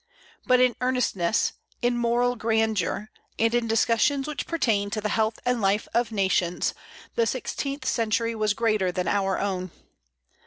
But in earnestness, in moral grandeur, and in discussions which pertain to the health and life of nations, the sixteenth century was greater than our own.